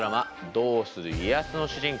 「どうする家康」の主人公